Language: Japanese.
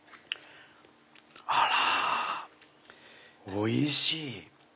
あらおいしい！